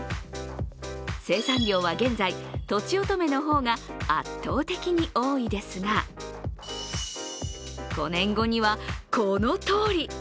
生産量は現在、とちおとめの方が圧倒的に多いですが、５年後には、このとおり。